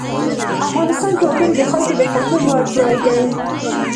افغانستان کې وګړي د خلکو د خوښې وړ ځای دی.